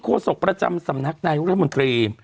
ครัวศกประจำสำนักในรัฐมนตรี